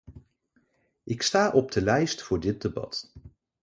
Ik sta op de lijst voor dit debat.